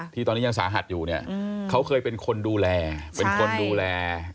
ที่ตอนนี้ยังสาหัสอยู่เนี่ยเขาเคยเป็นคนดูแลเป็นคนดูแล